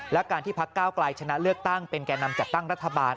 และการที่พักก้าวไกลชนะเลือกตั้งเป็นแก่นำจัดตั้งรัฐบาล